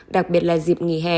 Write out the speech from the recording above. đặc biệt là dịp nghỉ hè